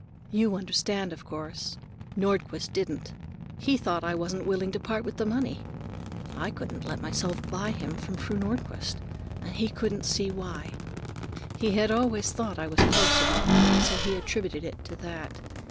You understand, of course. Nordquist didn't. He thought I wasn't willing to part with the money. I couldn't let myself buy him from Fru Nordquist, and he couldn't see why. He had always thought I was close about money, so he attributed it to that.